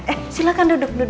eh silahkan duduk duduk